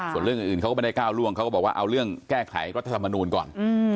ส่วนเรื่องอื่นเขาก็ไม่ได้ก้าวล่วงเขาก็บอกว่าเอาเรื่องแก้ไขรัฐธรรมนูลก่อน